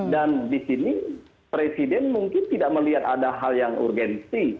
dan di sini presiden mungkin tidak melihat ada hal yang urgensi